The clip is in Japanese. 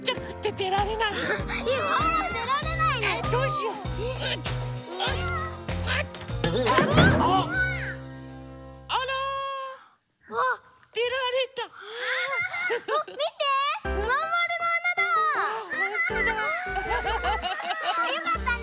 よかったね。